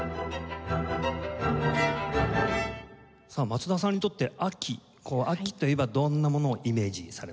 松田さんにとって秋秋といえばどんなものをイメージされますか？